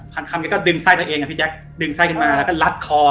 พันคำแกก็ดึงไส้ตัวเองอะพี่แจ๊คดึงไส้ขึ้นมาแล้วก็ลัดคอ